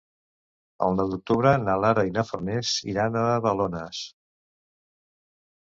El nou d'octubre na Lara i na Farners iran a Balones.